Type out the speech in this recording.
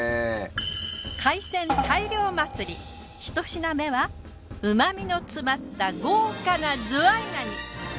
海鮮大漁祭りひと品目は旨みの詰まった豪華なズワイガニ！